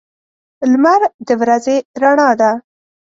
لمر د ورځې رڼا ده.